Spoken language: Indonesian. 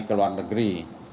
ke luar negeri